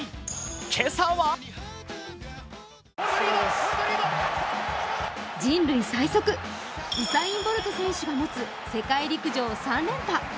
今朝は人類最速、ウサイン・ボルト選手が持つ世界陸上３連覇。